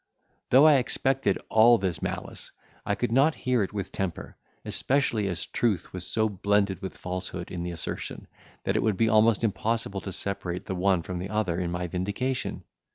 Though I expected all this malice, I could not hear it with temper, especially as truth was so blended with falsehood in the assertion, that it would be almost impossible to separate the one from the other in my vindication.